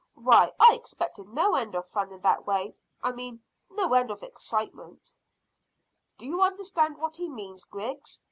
Why, I expected no end of fun in that way I mean, no end of excitement." "Do you understand what he means, Griggs?"